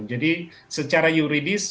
jadi secara yuridis